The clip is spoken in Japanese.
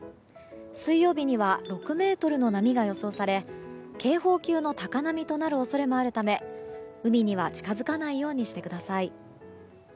水曜日には６ｍの波が予想され警報級の高波となる恐れもあるため海には近づかないようにしてください。